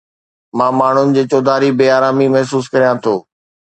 مان ماڻهن جي چوڌاري بي آرامي محسوس ڪريان ٿو